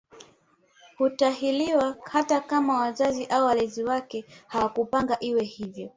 Hutahiriwa hata kama wazazi au walezi wake hawakupanga iwe hivyo